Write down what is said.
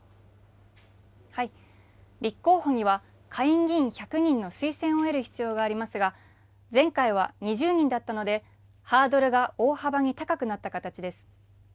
立候補には、下院議員１００人の推薦を得る必要がありますが、前回は２０人だったので、ハードルが大幅に高くなった形です。